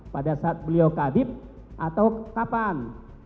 pada saat beliau kadip atau kapan